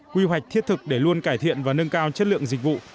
quy hoạch thiết thực để luôn cải thiện và nâng cao chất lượng dịch vụ